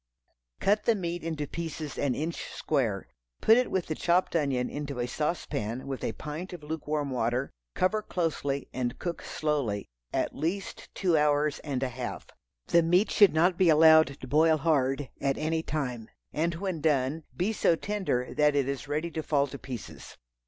Cut the meat into pieces an inch square. Put it with the chopped onion into a saucepan with a pint of lukewarm water; cover closely and cook slowly, at least two hours and a half. The meat should not be allowed to boil hard at any time, and when done, be so tender that it is ready to fall to pieces.